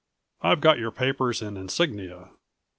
I've got your papers and insignia.